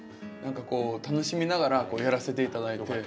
何かこう楽しみながらやらせて頂いて。